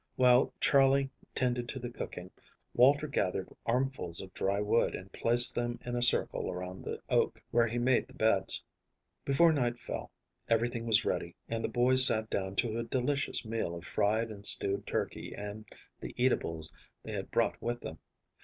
While Charley tended to the cooking, Walter gathered armfuls of dry wood and placed them in a circle around the oak, where he had made the beds. Before night fell everything was ready, and the boys sat down to a delicious meal of fried and stewed turkey and the eatables they had brought with them.